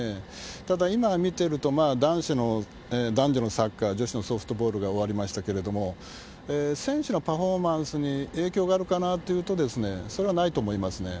ただ、今見てると、男子の、男女のサッカー、女子のソフトボールが終わりましたけれども、選手のパフォーマンスに影響があるかなというと、それはないと思いますね。